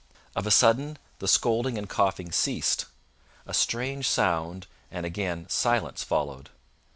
Of a sudden the scolding and coughing ceased. A strange sound and again silence followed.